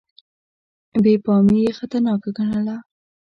بې پامي یې خطرناکه ګڼله.